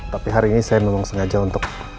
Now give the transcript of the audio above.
tapi hari ini saya memang sengaja untuk